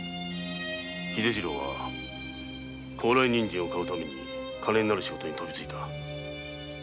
秀次郎はコウライニンジンを買うために金になる仕事に飛びついた。